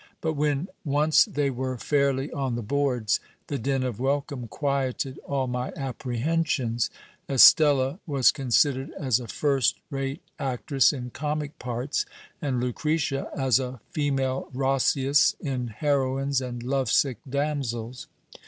But when once they were fairly on the boards, the din of welcome quieted all my apprehensions. Estella was considered as a first rate actress in comic parts, and Lucretia as a female Roscius in heroines and love sick damsels.